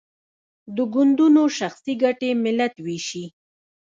د ګوندونو شخصي ګټې ملت ویشي.